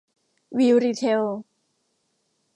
วีรีเทล